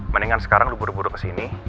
mendingan sekarang di buru buru kesini